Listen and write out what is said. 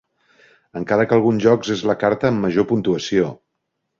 Encara que alguns jocs és la carta amb major puntuació.